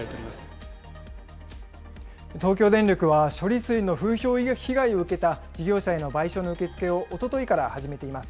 東京電力は処理水の風評被害を受けた事業者への賠償の受け付けをおとといから始めています。